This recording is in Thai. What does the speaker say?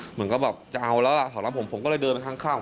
เหมือนก็แบบจะเอาแล้วล่ะสำหรับผมผมก็เลยเดินไปข้าง